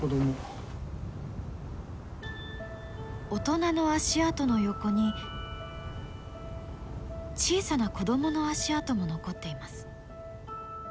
大人の足跡の横に小さな子どもの足跡も残っています。